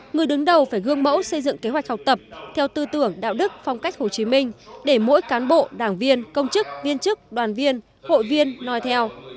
người đứng đầu phải gương mẫu xây dựng kế hoạch học tập theo tư tưởng đạo đức phong cách hồ chí minh để mỗi cán bộ đảng viên công chức viên chức đoàn viên hội viên nói theo